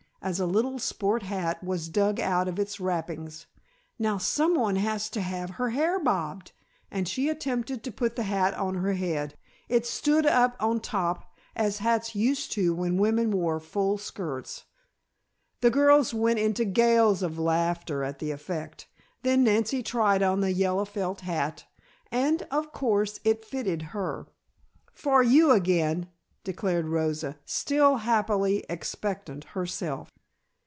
as a little sport hat was dug out of its wrappings. "Now, someone has to have her hair bobbed," and she attempted to put the hat on her head. It stood up on top, as hats used to when women wore full skirts. The girls went into gales of laughter at the effect. Then Nancy tried on the yellow felt hat, and, of course, it fitted her. "For you again," declared Rosa, still happily expectant herself.